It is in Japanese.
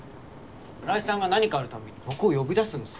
村井さんが何かある度に僕を呼び出すんです。